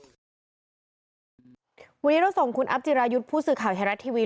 วันนี้เราส่งคุณอัพจิรายุทธ์ผู้สื่อข่าวไทยรัฐทีวี